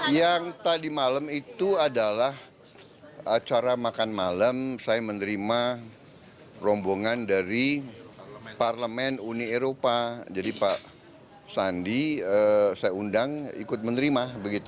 yang tadi malam itu adalah acara makan malam saya menerima rombongan dari parlemen uni eropa jadi pak sandi saya undang ikut menerima